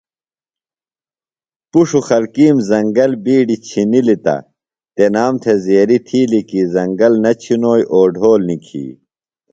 پُݜو خلکِیم زنگل بِیڈی چِھنِلیۡ تہ تنام تھےۡ زیریۡ تِھیلیۡ کی زنگل نہ چِھنوئی اوڈھول نِکھی۔